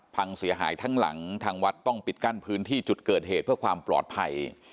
พังเสียหายทั้งหลังทางวัดต้องปิดกั้นพื้นที่จุดเกิดเหตุเพื่อความปลอดภัย